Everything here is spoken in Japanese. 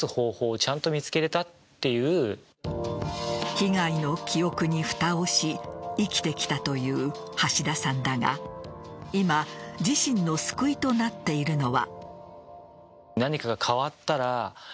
被害の記憶にふたをし生きてきたという橋田さんだが今自身の救いとなっているのは。